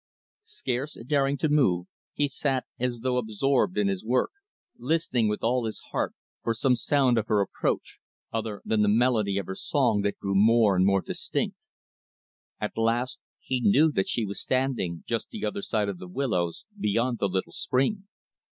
Scarce daring to move, he sat as though absorbed in his work listening with all his heart, for some sound of her approach, other than the melody of her song that grew more and more distinct. At last, he knew that she was standing just the other side of the willows, beyond the little spring.